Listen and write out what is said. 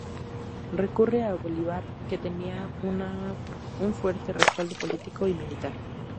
Recurre a Bolívar que tenía un fuerte respaldo político y militar.